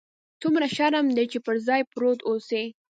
څومره شرم دى چې پر ځاى پروت اوسې.